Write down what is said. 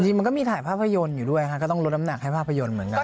มันก็มีถ่ายภาพยนตร์อยู่ด้วยค่ะก็ต้องลดน้ำหนักให้ภาพยนตร์เหมือนกัน